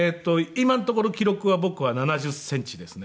今のところ記録は僕は７０センチですね。